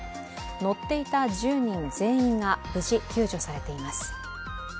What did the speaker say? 乗っていた１０人全員が無事、救助されています。